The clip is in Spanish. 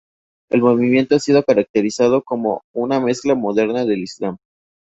El movimiento ha sido caracterizado como una "mezcla moderada del Islam.